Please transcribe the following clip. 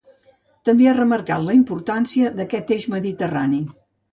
També ha remarcat la importància d’aquest eix mediterrani.